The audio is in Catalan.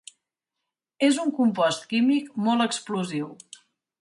És un compost químic molt explosiu.